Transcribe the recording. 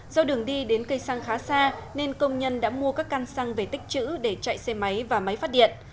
do đường đi đến cây xăng khá xa nên công nhân đã mua các căn xăng về tích chữ để chạy xe máy và máy phát điện